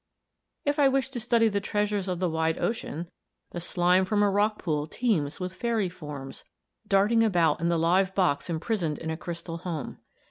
If I wish to study the treasures of the wide ocean, the slime from a rock pool teems with fairy forms darting about in the live box imprisoned in a crystal home.